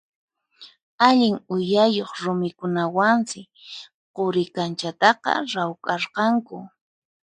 Allin uyayuq rumikunawansi Quri kanchataqa rawkharqanku.